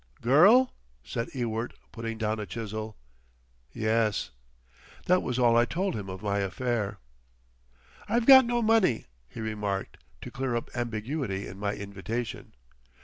"Girl?" said Ewart, putting down a chisel. "Yes." That was all I told him of my affair. "I've got no money," he remarked, to clear up ambiguity in my invitation.